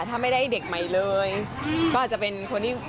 ก็อาจจะเป็นคนที่